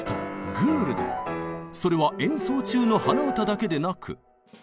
それは演奏中の鼻歌だけでなく。